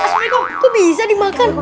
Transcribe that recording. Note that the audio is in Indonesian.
asmi kok bisa dimakan